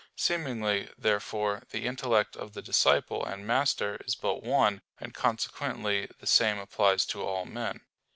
Seemingly, therefore, the intellect of the disciple and master is but one; and, consequently, the same applies to all men.